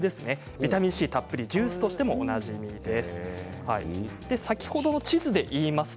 ビタミンＣたっぷりジュースとしておなじみです。